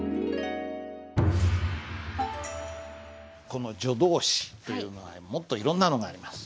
この助動詞というのはもっといろんなのがあります。